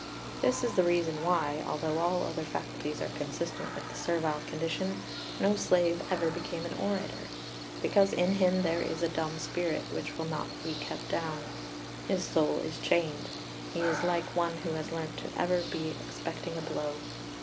] 4 "This is the reason why, though all other faculties are consistent with the servile condition, no slave ever became an orator; because in him there is a dumb spirit which will not be kept down: his soul is chained: he is like one who has learnt to be ever expecting a blow.